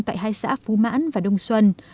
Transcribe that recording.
tại hai xã phú mãn và đông xuân